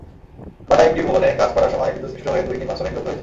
বাড্ডায় একটি ভবনে কাজ করার সময় বিদ্যুৎস্পৃষ্ট হয়ে দুই নির্মাণশ্রমিক দগ্ধ হয়েছেন।